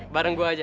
bareng gue aja